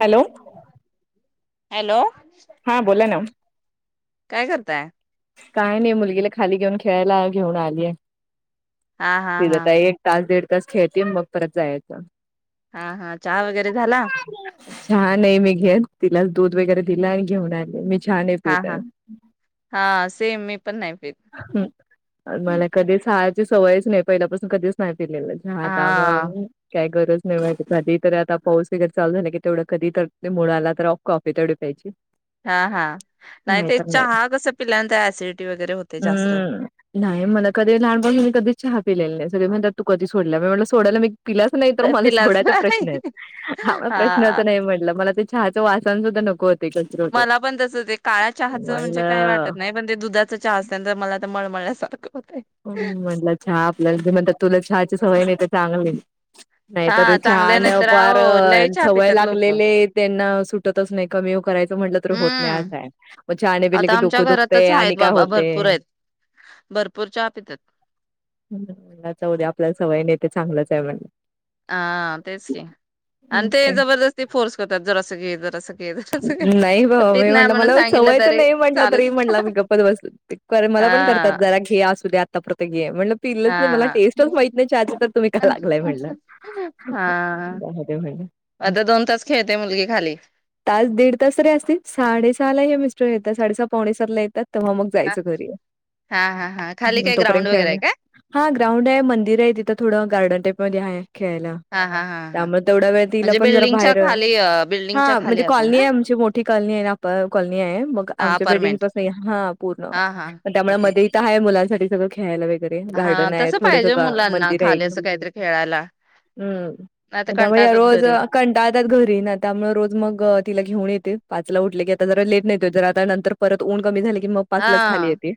Hello hello हा बोला ना? काय करताय काय नाही मुलगीला खाली घेऊन खेळायला घेऊन आलीय हा हा तेचं हा आता एक तास दीड तस खेळते मग परत जायचं हा हा चहा वगैरे झाला चहा नाही मी घेत तिलाच दूध वगैरे दिलं आणि मी घेऊन आले मी छान आहे [unintelligible] तेे मी पण नाही पीत हम मला कधीच सवयच नाही पहिल्यापासून कधीच नाही आता हा मग काय गरज नाही कधी तर आता पाऊस इकडं चालू झाला की तेवढं कधी तर ते मुड आला तर ऑफ कॉफी तेवढी प्यायची हा हा नाही ते चहा कस पिल्यानंतर ऍसिडिटी वगैरे होत हम् नाही मला कधी लहानपन मी कधीच चहा पिलेला नाही. सगळे म्हणातत तू कध सोडल्या मी म्हंटलं सोडायला मी पिलाच नाही तर मला पिलाच सोडायचा प्रश्नए नाही भावा हा प्रश्नाचं नाही म्हटलं मला ते चहाच्या वासनं सुद्धा नको होत मला पण तस ते काळ्या चहाचं म्हणजे काय म्हणलं वाटत नाही पण ते दुधाचं चहा चंद्र मला तर मळमळल्या सारखं हम् म्हटलं चहा आपल्याला जे म्हणतात तुला चहाची सवय नाही तर चांगलं नाही नाहीतर हा चहा चांगल्या नाही नं तर फार अहो लय चहा सवय पितात लोक लागलेले त्यांना सुटतच नाही कमी करायचं म्हटलं तर होत नाही हम्म असं आहे मग चहा नाही पिले आता की आमच्या डोकं दुखते घरातच आहेत आणि काय बाबा होते? भरपूर आहेत भरपूर चहा पितात म्हणणार जाऊद्या आपल्याला सवय नेत ते चांगलंच आहे म्हण हां तेच की आणि ते जबरदस्ती फोर्स करतात जरासं सगळे जरासं घे जरासं घे नाही बाबा पीत मी नाही म्हणलं म्हणून मला सांगितलं सवयचं तरी नाही म्हटलं तरी चालूच म्हटलं मी गप्पच बसले कारण मला पण करतात. हा जरा घे असुदे आत्ता पुरतं घे हे म्हटलं पिलेलं मला हा टेस्टच माहिती नाही चहा च तर तुम्ही काय लागलाय म्हटलं. हा काय होतंय माहित नाही. आता दोन तास खेळते मुलगी खाली. तास-दीड तास तरी असतील साडेसहा ला हे मिस्टर येतात. साडेसहा-पावणेसात ला येतात. तेव्हा मग जायचं घरी. हा हा हा खाली काय तोपर्यंत ग्राउंड वगैरे खेळणं आहे काय हां ग्राउंड आहे, मंदिर आहे तिथं थोडं गार्डन टाईप हो घ्या हे. खेळला हा हा हा हा त्यामुळे तेवढा वेळ तिला म्हणजे पण जरा बिल्डिंगच्या बाहेर अ खाली बिल्डिंगच्या हां खाली म्हणजे असेल कॉलनी ना आहे आमची मोठी कॉलनी आहे आणि आप कॉलनी आहे मग आमच्या अपार्टमेंट बिल्डिंगचाच नाही हा पूर्ण हा हा त्यामुळे ओके मध्ये इथं आहे मुलांचं साठी सगळं खेळायला वगैरे तरी अन हा गार्डन आहे तसं थोडंसं पाहिजे का मुलांना मंदिरं आहेत. खाली असं काहीतरी खेळायला हं नाही तर म त्यावेळी या कंटाळतात रोज घरी कंटाळतात घरी येईनात त्यामुळे रोज मग घेऊन येते पाच ला उठलं की आता जरा लेट ने येतात जरा आत्ता नंतर परत ऊन कमी झालं कि मग पाचलाच खाली हा येते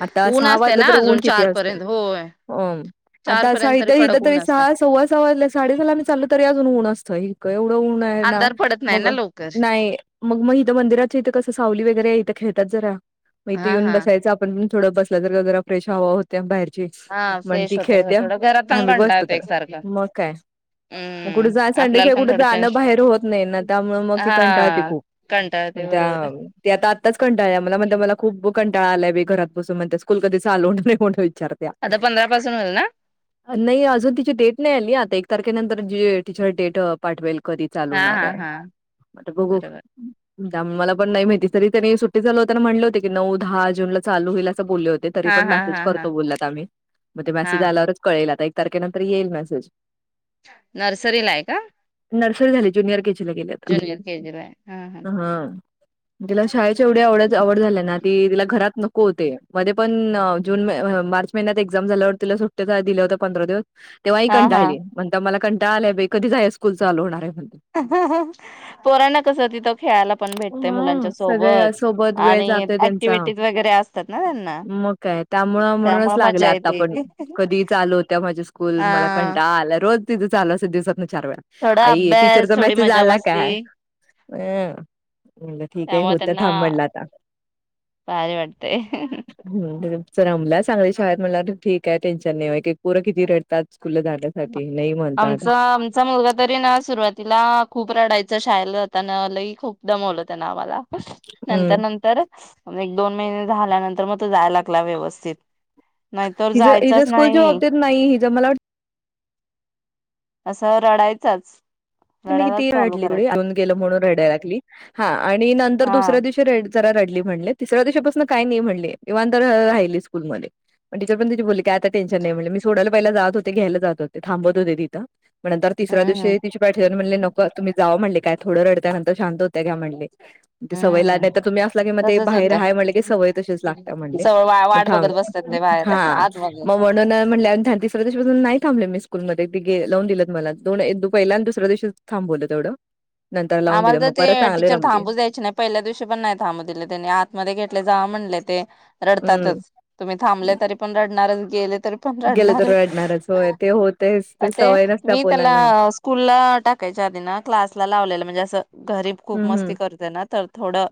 आता ऊन सहा असते वाजलं ना तरी ऊन अजून किती चार पर्यंत होय असतं चार आता असं पर्यंत इथं कडक इथं ऊन तरी असते सहा सव्वा सहा वाजल्या साडे सहा ला आम्ही चाललं तरी अजून ऊन असतं इतकं एवढं ऊन आहे ना अंधार पडत नाही मग ना लवकर नाही मग म इथं मंदिराच्या इथं कसं सावली वगैरे इथं खेळतात जरा. हं म इथे हा येऊन हा बसायचं आपण थोडं बसल्यासारखं जरा फ्रेश हवा होत्या बाहेर. हा मन फ्रेश ती होत खेळत्या थोडं घरात पण आम्ही कंटाळ बसतो येतो तर एकसारखा मग काय म कुठ हम्म जा आपल्याला संडेशिवाय पण कुठे थोडं चेंज जाणं बाहेर होत नाही ना त्यामुळे मग ती कंटाळते हा खूप कंटाळ पण येतोय त्या बरोबर ती आत्ता आत्ताच कंटाळल्या मला म्हणत्या मला खूप भूक कंटाळा आलाय बाई घरात बसून म्हणत्या स्कूल कधी चालू होणार आहे म्हणून विचारत्या आता पंधरा पासून होईल ना? नाही अजून तिची डेट नाही आली आता एक तारखेनंतर टिरच डेट पाठवेल. कधी हा चालवणार हा आहे हा आता बघू बरोबर मला पण नाही माहिती तरी त्यांनी सुट्टी झाल होताना म्हटले होते की नऊ दहा जून ला चालू होईल बोले होते तरी हा पण हा मेसेज हा हा करतो बोल्या त्या मी मग ते त हा मेसेज आल्यावरच आता एक तारखेनंतर येईल मेसेज नर्सरी ला आहे का नर्सरी झाली जुनियर के ज्युनियर केजीला आहे हा [unintelligible] तिला शाळेच्या एवढ्याव आवड झाल्या ना त तिला घरात मध्ये पण जून मार्च महिन्यात एक्झाम झाल्यावर तिला सु कुठ जायला दिला होता पंधरा दिवस तेव्हा ही हा हा कंटाळली म्हणता मला कं टाळ आलंय बाई कधीच हे स्कूल चालू होणाराय [unintelligible] पोरांना कस तिथं खेळायला पण भेटतय मुलांच्या हा. सगळे सोबत सोबत वेळ आणि जातोय त्यांचा ऍक्टिव्हटीज वगैरे असतात ना त्यांना मग काय त्यामुळं म्हणूनच त्यामुळे लागले मज्जा आता येते. पण कधी चालू होत्या माझ्या स्कूल मला हा कंटाळा आला रोज तिच चाल [unintelligible] चार वेळा थोडा आई अभ्यास टीचरचा थोडी मेसेज मजा आला मस्ती काय म्ह ठीक आहे त्यामुळे होत त्यांना थांब म्हणलं आता भारी वाटतय च रमला चांगल्या शाळेत मला वाटतं ठीक काय टेनशन नाही एक एक पोरं किती रडतात स्कूलला जाण्यासाठी नाही म्हणतात. आमचा आमचा मुलगा तरी ना सुरुवातीला खूप रडायच [unintelligible] शाळेला जाताना लई खूप दमवलं त्यान आम्हाला [inaudible] नंतर हम्म नंतर एक दोन महिने झाल्यानंतर मग त जायला लागला व्यवस्थित नाहीतर हिजं हिजं जायचाच स्कूलच्या बाबतीत नाही हिजं मला वाट असा रडायचंच मी किती रडली गेल म्हणून रडयला लागली हा आणि नंतर हा दुसऱ्या दिवशी रेड जरा रडली म्हणले तिसऱ्या दिवशी पासण काय नाही म्हणले निवांत राहिली स्कूल मध्ये पण टीचर पण तिची बोली काय आता टेन्शन नाही म्हणल मी सोडायला जात होते घ्यायला जात होते थांबत होते तिथं. म नंतर तिसऱ हम्म दिवशी तिची सर म्हणले नको तुम्ही जा म्हणले काय? थोडं रडत्या नंतर शांत होत्या घ्या म्हणली सवय ला नाही तर हम्म तुम्ही असला की मग ते तसच बाहेर होतय आहे हाय म्हण की सवय तशीच लागते म्हण सगळ वा मग वाट थांब बघत बसतात ते [unintelligible] बाहेर हा आतमध्ये मग म्हणून म्हण तिस तासून नाही थांबले मी स्कूलमध्ये वून दि मला पहिल्यांद प्रदेशात थांबवलं तेवढं लावून आम्हाला दिलं तर मग ते परत चांगले टीचर रमली थांबूच द्यायचे नाय पहिल्या दिवशी पण नाय थांबू दिले त्यांनी आतमध्ये घेटले जावा म्हणले ते हम्म रडतातच तुम्ही थांबले तरी पण रडणारच केलेत तरी पण गेलं रडणार तर रडणारच होय ते होतेच अ ते सवय नसत्या मी त्याला पोलांना स्कूलला टाकायच्या आधी ना क्लासला लावलेल. म्हणजे अस घरी खूप हम्म हम्म मस्ती करते ना तर थोडं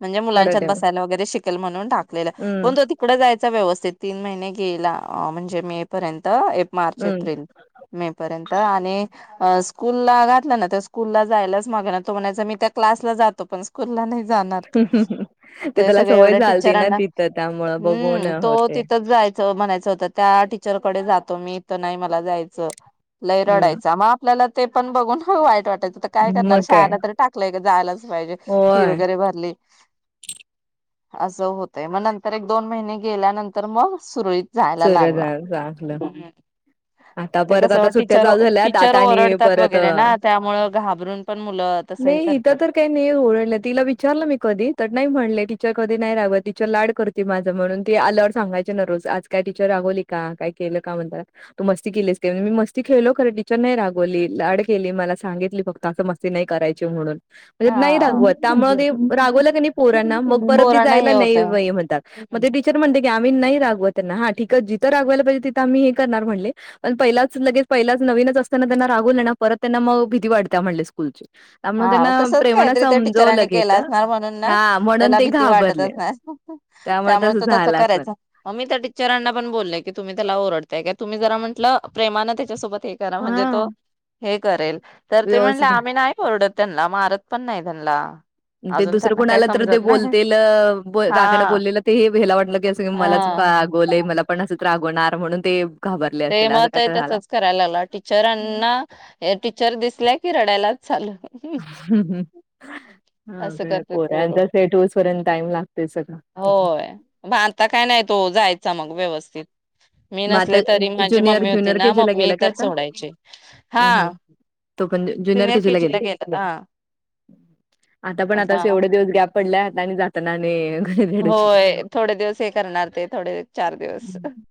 म्हणजे थोडा मुलांच्यात टाइम बसायला वगैरे शिक म्हणून टा लेला हम्म पण तो तिकडं जाय व्यवस्थित तीन महिने गेला म्हणजे मे पर्यंत मार्च हम्म एप्रिल मे पर्यंत त आणि स्कूलला घातलं ना त्या स्कूलला जायलाच माग तो म्हणायचा मी त्या क्लासला जातो पण स्कूलला नाही जाणार ते त्याला सगळ्या सवय एवढ्या झालती ना टीचरांना तिथं त्यामुळं बघून हूं तो होते तिथच जायच म्हणायचं होतं त्या टीचरकडे जातो मी तर नाही मला जायचं लय हम्म रडायचा मग आपल्याला ते पण बघून वाईट वाटायच त्यांणार मग काय शाळाला तर टाकलंय जायला पाहिजे फी होय वगैरे भरली असं होतय मग नंतर एक दोन महिने गेल्यानंतर मग सुरळीत जायला चर लागला. झागलं हम्म. ते कस टीच टीचर आता आणि ओरडतात वगैरे परत ना त्यामुळ घाबरून पण मुलं तसं हे नाही इथं करतात. तर काही नाही ओरडलं तिला विचारलं मी कधी तर नाही म्हणले टीचर कधी नाही रागवात टीचर लाड करते माझं म्हणून ती आल्यावर सांगायची न रोज आज काय टीचर रागवली काय केलं का म्हणता तू मस्ती केलीस का म्हण मी मस्ती खेळलो खरं टीचर नाही रागवली लाड केली मला सांगितली फक्त असं मस्ती नाही करायची म्हणून म्हणजे नाही हा रागवत त्यामुळे ते रागवलं काी नाही पोरांना मग परत ते पोरांना जायला हे होतय. नाही म्हणतात मग ते टीचर म्हणते की आम्ही नाही रागवत हा ठीक जथं रागवायला पाहिजे तिथं आम्ही करणार म्हणले पण पहिलाच लगेच पहिलाच लगेच नवीनच असताना त्यांना राग परत त्यांना म भीती वाढत म्हण स्कूलची त्यामुळे हा त्यांना तसच प्रेमानं काहीतरी त्या समजवलं टीचरांनी केलं गेलं असणार म्हणून ना हा म्हणून त्याला ते भीती वाटत घाबरले. असणार त्यामुळे त तसं करायच मग मी त्या टीचरांना पण बोललय की तुम्ही त्याला ओरड काय काय तुम्ही जरा म्हटलं प्रेमानं त्याच्यासोबत ते करा म्हणजे हा तो हे करेल तर ते म्हणले व्यवस्थित आम्ही नाही सोडत त्यांना मारत पण नाय त्यांला ते दुसरं कुणाला तर ते बोलतील रागानं हा बोललेलं ते ह्याला वाटलं की अस हा मला चुका रागावले मला पण असंच तर रागवणार म्हणून ते घाबरले ते असेल असं काय मते तर झाला. तसच करायला लागलं टीचरांना टीचर दिसल्या की रडायला [inaudible] हं असं अवघड करतेत पोर पोरांचा सेट होऊसपर्यंत टाइम लागतोय सगळं. होय म आता काय नाही तो जाईत.. जा मग व्यवस्थित मी मग नसलेे आता त तरी माझी ज्युनियर मम्मी होती ज्युनियर के ना जी ला मग मी गेला काय इथच आता सोडायची हा...... ण जुनियर केजी ला गेला आता पण आता एवढ दिवस गॅप पडल्या जात जाताना आणि.. गणित धडे ची होय थोडे दिवस हे करणार ते थोडे चार दिवस हम्म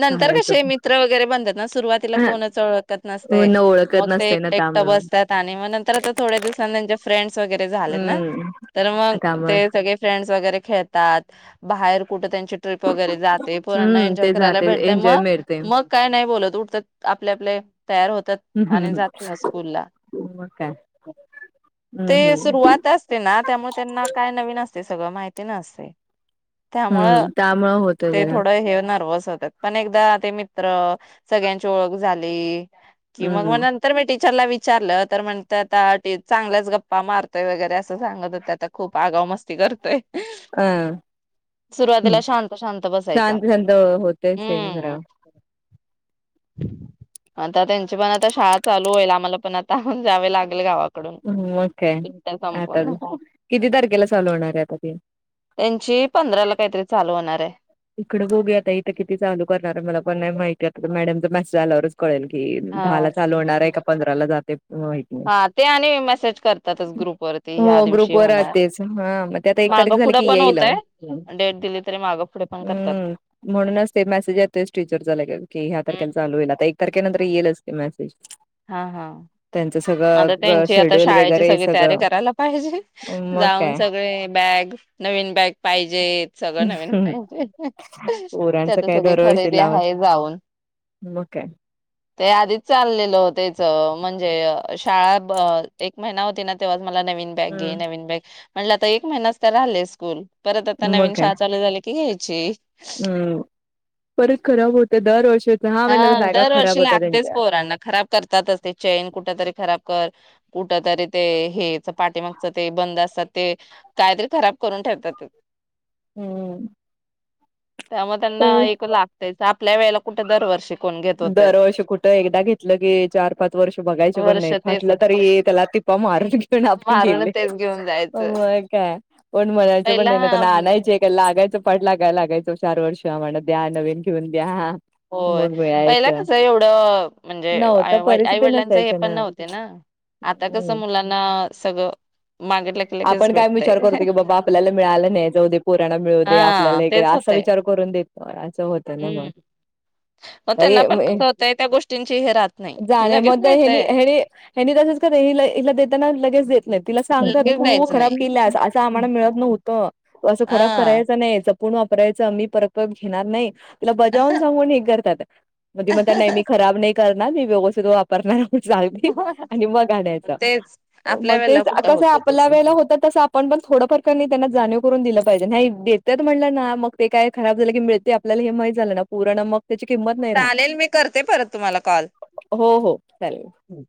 नंतर चालायचं कसे पण. मित्र वगैरे बनतात ना सुरुवातीला हां, कोणच ओळखत नसते पूर्ण ओळखत मग ते नसते ना एकट एकट त्यामुळं बसतात आणि मग नंतर आता थोड्या दिवसां त्यांचे फ्र वगैरे झाले ना हम्म तर मग.... त्यामुळे ते सगळे फ्रेंडस वगैरे खेळतात बाहेर कुठ त्यां ची ट्रिप वगैरे जाते पोराना हम्म एन्जॉय ते करायला जाते भेटते एन्जॉय मग मिळते हं, मग काय नाही बोलत. त उटतात आपल्या आपले तयार होतात हं, आणि हं. जात स्कूलला मग काय हम्म ते हम्म सुरुवात असते ना त्यामुळे त्यांना...... नवीन असते सगळं माहिती नसतय त्यामुळ हम्म त्यामुळं होतं ते जरा थोडं हे नर्वस होतात पण एकदा ते मित्र सगळ्यांची ओळख झाली कि मग म हम्म नंतर मिटिंग.... ला विचारलं तर म्हणत्यात आता चांगल्याच गप्पा मारतोय वगैरे असं सांगत होते त्या खूप आगाव मस्ती करतोय.... अह हम् सुरुवातीला शांत शांत बसायचा शांत शांत होत ते जरा हम्म आता त्यांची पण आता शाळा चालू होईल आम्हाला पण आता जावे लागेल गावाक..... मग काय [inaudible] आता किती तारखेला चालू होणार आहे आता ते त्यांची पंधराला काहीतरी चाल.. होणार आहे इकडें बघू आता इथं किती चालू करणार आहे. मला पण नाही माहिती आता मॅडमचा मेसेज आल्यावरच कळेल की हा दहा ला चालू होणार आहे का पंधराला जाते माहित नाही हा ते आणि मेसेज करतातच ग्रुप वरती ह्या हो दिवशी ग्रुपवर होणार राहतेच. हां, मग ते आता माग तारीख झाली पुुढं की पण येईल. होतय डेट दिली तरी माग पुुढे हम् म्हणूनच ते मेसेज येतोच टीचर चा लगेच की ह्या तारखेला चालू होईल आता एक.. तारखेनंतर येईलच ते मेसेज. हा हा त्यांचं आता सगळं त्यांची आता शेड्यूल शाळेची वगैरे सगळी तयारी सगळं. करायला पाहिजे मग जाऊन काय. सगळे बॅग नवीन बॅग पाहिजेत सगळं नवीन पाहिज पोरांचं त्यात काय सगळी दरवर्षी खरेदी लाव आहे जाऊन मग काय. ते आधीच चाललेलं होतेच म्हणजे अ शाळा ब एक महिना होती ना तेव्हा मला नवीन बॅग घे हं. नवीन बॅग म्हणलं आता एक महिनाच तर राहिलेय स्कूल. परत आता मग नवीन का शाळा चालू झाली की घ्यायची अम् परत खराब होत दर वर्षी हा दरवर्षीला अगदीच पोरांना खराब करतातचते चैन कुठ तरी खराब [unintelligible] कुठ तरी ते हेच पाठीमागच ते बंद असतात ते काहीतरी खराब करून ठेवतात. हं. त्यामुळे अ त्यांना एक लागतायच. आपल्या वळेला दर वर्ष दरवर्ष कुठ? एकदा घेतलं की चार पाच वर्ष बघायचे पण वर्ष नाही. तेच फाटलं तरी त्याला त टिपा मारून घेऊन आपण मारून गेलोय तेच घेऊन जायचं मग काय? कोण म्हणायच पण पहिला नाही त्यांना आणायचे का? लागायच पडला का लागायचो चार वर्ष म्हणा द्या नवीन घेऊन द्या होय मग ह पहिला मिळायचं कस एवढं म्हणजे नव्हता परिस्थिती आईवडिलांचं हे नसायची पण नव्हते ना आता हम्म कसं मुलांना सगळं मा आपण काय विचार करतो की बाबा आपल्याला मिळालं नाही जाऊ दे पोरांना मिळवू दे हा आपल्याला तेच असा होतय विचार करून देत [unintelligible] होत ना हम्म मग मग त्यांना पण अ कसं होतंय त्या गोष्टींची हे राहत नाही. जाणे लगेच मग त्या हनी मिळतय हे हनी तसच कर हिला देताना लगेच देत नाही तिला सांगतात. लगेच तू द्यायचं खराब नाही. केल्यास असं आम्हाला मिळत नव्हतं त असं खराब हा करायचं नाहीच. पुण वापरायचं मी परत परत घेणार नाही तिला बजावून सांगून हे करतात. मधी म्हणत्या नाही मी खराब नाही करणार मी व्यवस्थित वापरणार [unintelligible] आणि मग आणायच तेच आपल्या मग वेळेला तेच कुठं कस? होत तस लावायला होतं तस आपण थोडफारनकणी त्यांना जाणीव करून दिल पा [unintelligible] नाही देत म्हणलं ना मग ते काय खराब झालं की मिळते आपल्याला हे माहित झालं ना पोरांना मग त्याची किंमत नाही राहत. चालेल मी करते परत तुम्हाला कॉल हो हो चालेल. हम्म